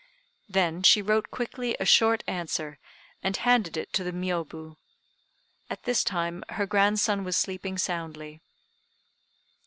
Then she wrote quickly a short answer, and handed it to the Miôbu. At this time her grandson was sleeping soundly.